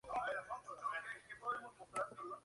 Asociado a zonas de arrecife.